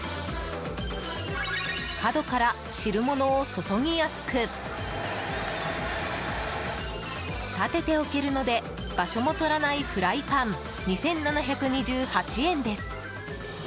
角から、汁物を注ぎやすく立てて置けるので場所も取らないフライパン２７２８円です。